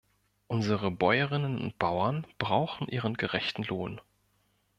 Unsere Bäuerinnen und Bauern brauchen ihren gerechten Lohn.